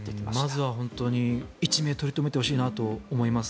まずは本当に一命を取り留めてほしいなと思います。